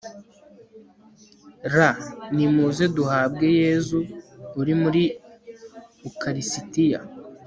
r/ nimuze duhabwe yezu uri mu ukarisitiya